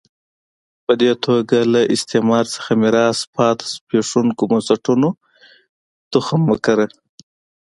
په دې توګه له استعمار څخه میراث پاتې زبېښونکو بنسټونو تخم وکره.